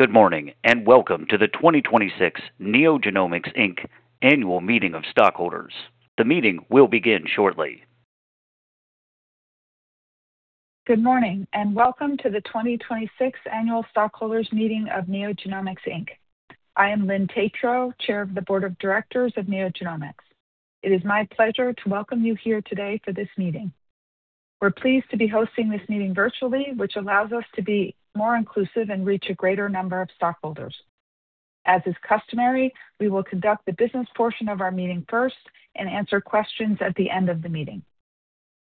Good morning, welcome to the 2026 NeoGenomics Inc. Annual Meeting of Stockholders. The meeting will begin shortly. Good morning, and welcome to the 2026 Annual Stockholders' Meeting of NeoGenomics, Inc. I am Lynn Tetrault, Chair of the Board of Directors of NeoGenomics. It is my pleasure to welcome you here today for this meeting. We're pleased to be hosting this meeting virtually, which allows us to be more inclusive and reach a greater number of stockholders. As is customary, we will conduct the business portion of our meeting first and answer questions at the end of the meeting.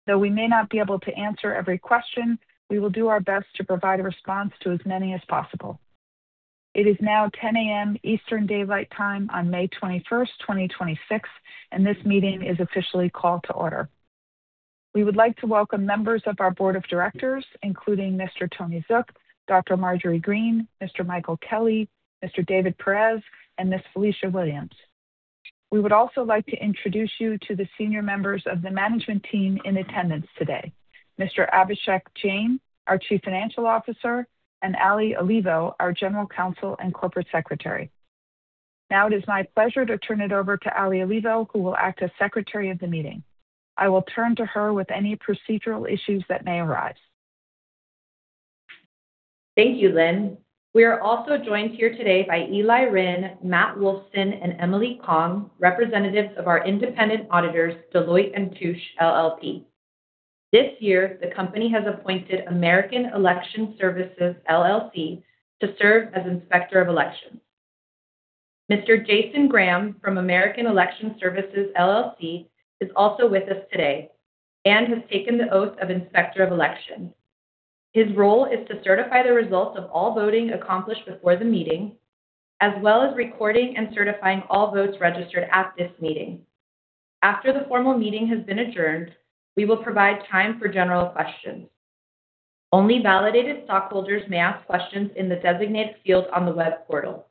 Though we may not be able to answer every question, we will do our best to provide a response to as many as possible. It is now 10:00 A.M. Eastern Daylight Time on May 21st, 2026, and this meeting is officially called to order. We would like to welcome members of our board of directors, including Mr. Tony Zook, Dr. Marjorie Green, Mr. Michael Kelly, Mr. David Perez, and Ms. Felicia Williams. We would also like to introduce you to the senior members of the management team in attendance today. Mr. Abhishek Jain, our Chief Financial Officer, and Ali Olivo, our General Counsel and Corporate Secretary. Now it is my pleasure to turn it over to Ali Olivo, who will act as Secretary of the meeting. I will turn to her with any procedural issues that may arise. Thank you, Lynn. We are also joined here today by Eli Rinn, Matt Wolfson, and Emily Kong, representatives of our independent auditors, Deloitte & Touche LLP. This year, the company has appointed American Election Services, LLC to serve as Inspector of Elections. Mr. Jason Graham from American Election Services, LLC is also with us today and has taken the oath of Inspector of Election. His role is to certify the results of all voting accomplished before the meeting, as well as recording and certifying all votes registered at this meeting. After the formal meeting has been adjourned, we will provide time for general questions. Only validated stockholders may ask questions in the designated field on the web portal.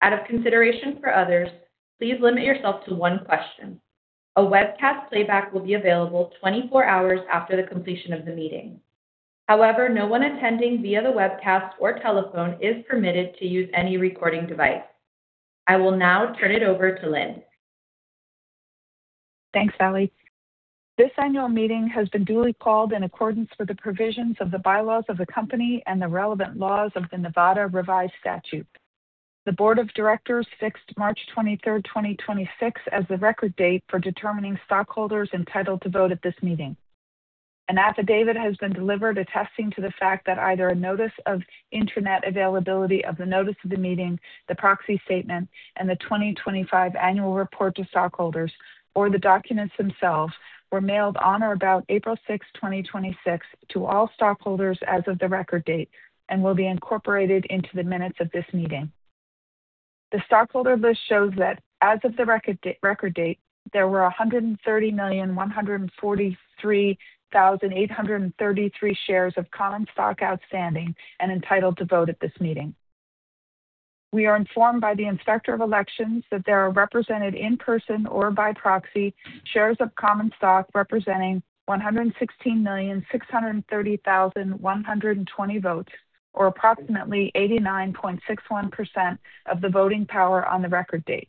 Out of consideration for others, please limit yourself to one question. A webcast playback will be available 24 hours after the completion of the meeting. However, no one attending via the webcast or telephone is permitted to use any recording device. I will now turn it over to Lynn. Thanks, Ali. This annual meeting has been duly called in accordance with the provisions of the bylaws of the company and the relevant laws of the Nevada Revised Statutes. The board of directors fixed March 23rd, 2026, as the record date for determining stockholders entitled to vote at this meeting. An affidavit has been delivered attesting to the fact that either a notice of internet availability of the notice of the meeting, the proxy statement, and the 2025 annual report to stockholders, or the documents themselves, were mailed on or about April 6th, 2026, to all stockholders as of the record date and will be incorporated into the minutes of this meeting. The stockholder list shows that as of the record date, there were 130,143,833 shares of common stock outstanding and entitled to vote at this meeting. We are informed by the Inspector of Elections that there are represented in person or by proxy shares of common stock representing 116,630,120 votes, or approximately 89.61% of the voting power on the record date.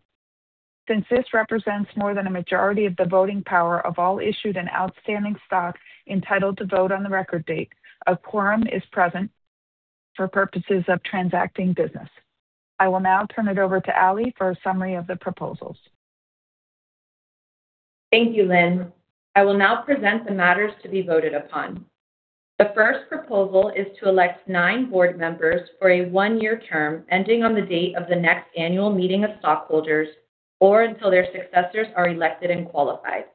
Since this represents more than a majority of the voting power of all issued and outstanding stock entitled to vote on the record date, a quorum is present for purposes of transacting business. I will now turn it over to Ali for a summary of the proposals. Thank you, Lynn. I will now present the matters to be voted upon. The first proposal is to elect nine Board members for a one-year term ending on the date of the next annual meeting of stockholders, or until their successors are elected and qualified.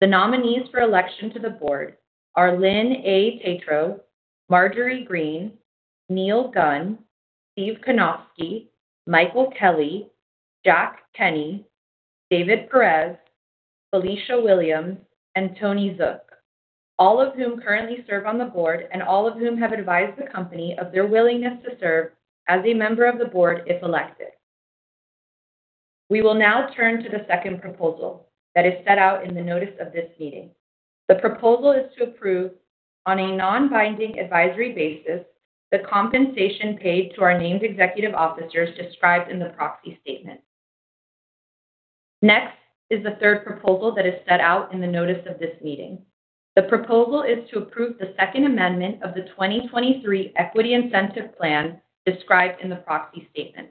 The nominees for election to the Board are Lynn A. Tetrault, Marjorie Green, Neil Gunn, Steve Kanovsky, Michael Kelly, Jack Kenny, David Perez, Felicia Williams, and Tony Zook, all of whom currently serve on the Board and all of whom have advised the company of their willingness to serve as a member of the Board if elected. We will now turn to the second proposal that is set out in the notice of this meeting. The proposal is to approve on a non-binding advisory basis the compensation paid to our named executive officers described in the proxy statement. Next is the third proposal that is set out in the notice of this meeting. The proposal is to approve the second amendment of the 2023 Equity Incentive Plan described in the proxy statement.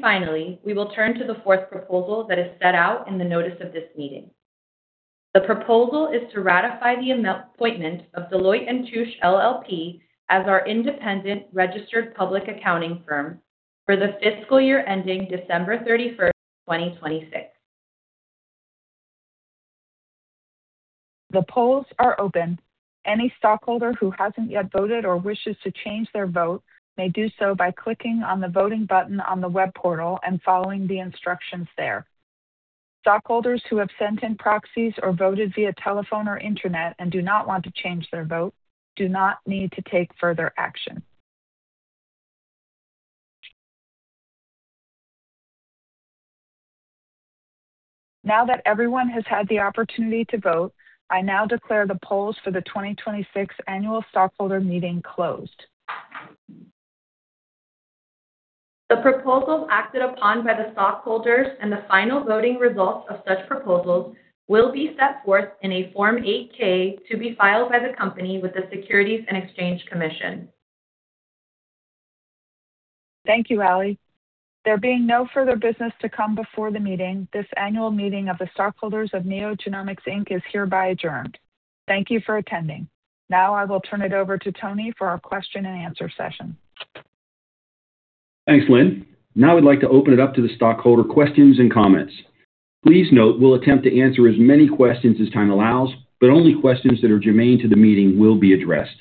Finally, we will turn to the fourth proposal that is set out in the notice of this meeting. The proposal is to ratify the appointment of Deloitte & Touche LLP as our independent registered public accounting firm for the fiscal year ending December 31st, 2026. The polls are open. Any stockholder who hasn't yet voted or wishes to change their vote may do so by clicking on the voting button on the web portal and following the instructions there. Stockholders who have sent in proxies or voted via telephone or internet and do not want to change their vote do not need to take further action. Now that everyone has had the opportunity to vote, I now declare the polls for the 2026 Annual Stockholder Meeting closed. The proposals acted upon by the stockholders and the final voting results of such proposals will be set forth in a Form 8-K to be filed by the company with the Securities and Exchange Commission. Thank you, Ali. There being no further business to come before the meeting, this annual meeting of the stockholders of NeoGenomics, Inc. is hereby adjourned. Thank you for attending. I will turn it over to Tony for our question and answer session. Thanks, Lynn. I'd like to open it up to the stockholder questions and comments. Please note we'll attempt to answer as many questions as time allows, only questions that are germane to the meeting will be addressed.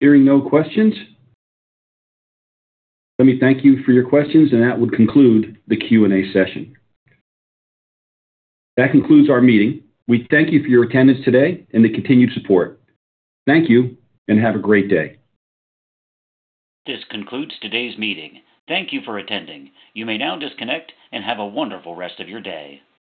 Hearing no questions, let me thank you for your questions, that would conclude the Q&A session. That concludes our meeting. We thank you for your attendance today and the continued support. Thank you, have a great day. This concludes today's meeting. Thank you for attending. You may now disconnect and have a wonderful rest of your day.